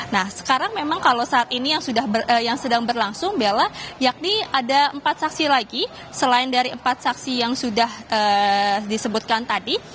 nah sekarang memang kalau saat ini yang sedang berlangsung bella yakni ada empat saksi lagi selain dari empat saksi yang sudah disebutkan tadi